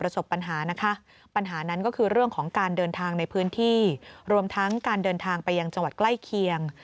ซึ่งการเดินทางไปยังจังหวัดใกล้เคียง